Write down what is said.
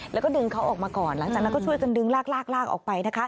แล้วก็ดึงเขาออกมาก่อนหลังจากนั้นก็ช่วยกันดึงลากลากออกไปนะคะ